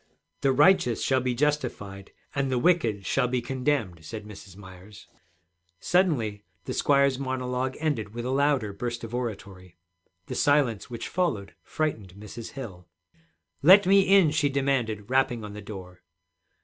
'The righteous shall be justified, and the wicked shall be condemned,' said Mrs. Myers. Suddenly the squire's monologue ended with a louder burst of oratory. The silence which followed frightened Mrs. Hill. 'Let me in!' she demanded, rapping on the door.